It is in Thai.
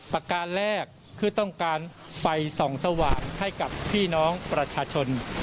ประการแรกคือต้องการไฟส่องสว่างให้กับพี่น้องประชาชน